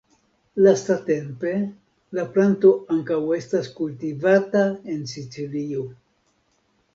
Lastatempe la planto ankaŭ estas kultivata en Sicilio.